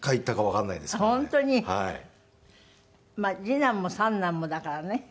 次男も三男もだからね。